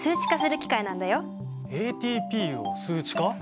ＡＴＰを数値化？